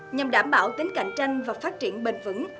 nhằm đảm bảo tính cạnh tranh và phát triển bền vững